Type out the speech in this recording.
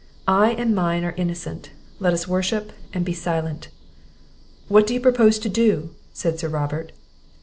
I and mine are innocent; let us worship, and be silent!" "But what do you propose to do?" said Sir Robert.